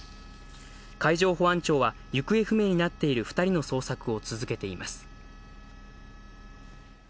海上保安庁は行方不明になっている２人の捜索を続けています。